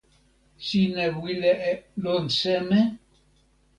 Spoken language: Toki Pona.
sina wile e lon seme?